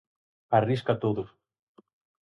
Arrisca todo.